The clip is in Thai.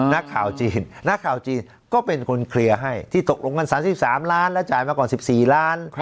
นักข่าวจีนนักข่าวจีนก็เป็นคนเคลียร์ให้ที่ตกลงกัน๓๓ล้านแล้วจ่ายมาก่อน๑๔ล้าน